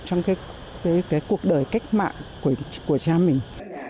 trong cái cuộc đời cách mạng của cha mình